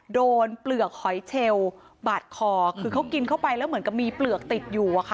เปลือกหอยเชลบาดคอคือเขากินเข้าไปแล้วเหมือนกับมีเปลือกติดอยู่อะค่ะ